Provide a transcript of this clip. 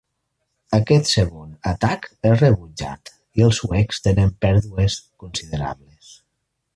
Aquest segon atac és rebutjat, i els suecs tenen pèrdues considerables.